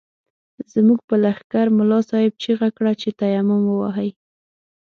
زموږ په لښکر ملا صاحب چيغه کړه چې تيمم ووهئ.